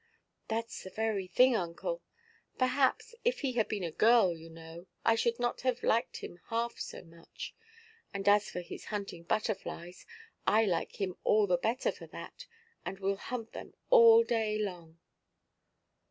"Thatʼs the very thing, uncle. Perhaps if he had been a girl, you know, I should not have liked him half so much. And as for his hunting butterflies, I like him all the better for that. And weʼll hunt them all day long."